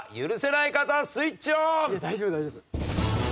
いや大丈夫大丈夫。